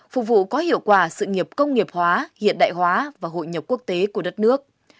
phục vụ có hiệu quả sự nghiệp công nghiệp hóa hiện đại hóa và hội nhập quốc tế của đất nước